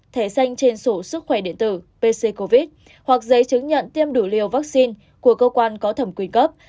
thẻ xanh trên sổ sức khỏe điện tử pc covid hoặc giấy chứng nhận tiêm đủ liều vaccine của cơ quan có thẩm quyền cấp